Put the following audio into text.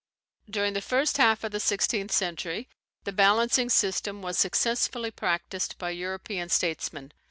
During the first half of the sixteenth century, the balancing system was successfully practised by European statesmen.